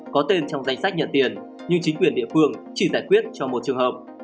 có tên trong danh sách nhận tiền nhưng chính quyền địa phương chỉ giải quyết cho một trường hợp